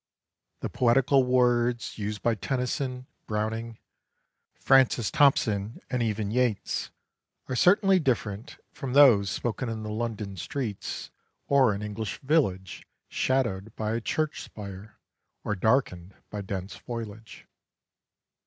The poetical words used by Tennyson, Browning, Francis Thompson, and even Yeats, are certainly different from those spoken in the London streets or an English village shadowed by a church spire or darkened by dense foliage.